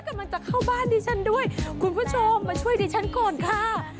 กำลังจะเข้าบ้านดิฉันด้วยคุณผู้ชมมาช่วยดิฉันก่อนค่ะ